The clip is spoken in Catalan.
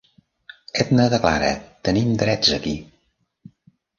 Edna declara, tenim drets aquí.